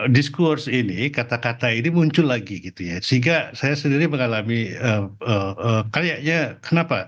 diskurs ini kata kata ini muncul lagi gitu ya sehingga saya sendiri mengalami kayaknya kenapa